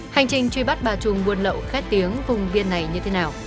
hành trình truy bắt bà trùng buôn lậu khét tiếng vùng biên này như thế nào